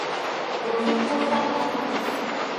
Con su esposa, la Dra.